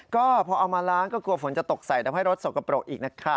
ก็พอเอามาล้างก็กลัวฝนจะตกใส่ทำให้รถสกปรกอีกนะคะ